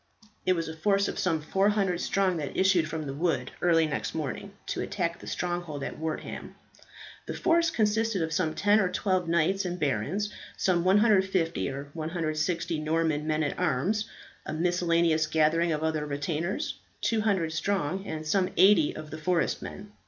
It was a force of some 400 strong that issued from the wood early next morning to attack the stronghold at Wortham. The force consisted of some ten or twelve knights and barons, some 150 or 160 Norman men at arms, a miscellaneous gathering of other retainers, 200 strong, and some eighty of the forest men.